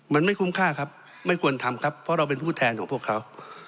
มันไม่คุ้มค่าครับไม่ควรทำครับเพราะเราเป็นผู้แทนของพวกเขา